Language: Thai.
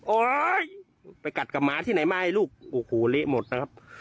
โอ๊ยไปกัดกับหมาที่ไหนมาให้ลูกโอ้โหเละหมดนะครับ